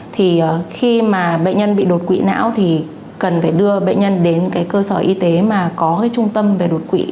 thì khi mà bệnh nhân bị đột quỵ não thì cần phải đưa bệnh nhân đến cái cơ sở y tế mà có cái trung tâm về đột quỵ